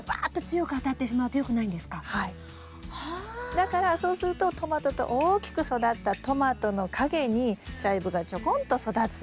だからそうするとトマトと大きく育ったトマトの陰にチャイブがちょこんと育つ。